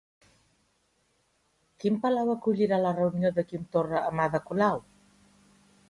Quin palau acollirà la reunió de Quim Torra amb Ada Colau?